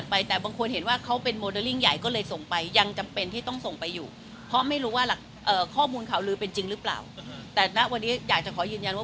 ไม่มีใครกล้าจับเขาเลยค่ะไม่มีค่ะแต่มีคนรู้มานานแล้วค่ะในพื้นที่ไว้ถามคนในพื้นที่